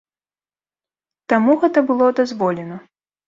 Таму гэта было дазволена.